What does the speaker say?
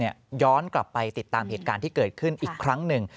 ย้อนกลับไปติดตามเหตุการณ์ที่เกิดขึ้นอีกครั้งหนึ่ง